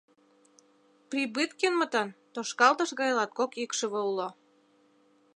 Прибыткинмытын тошкалтыш гай латкок икшыве уло.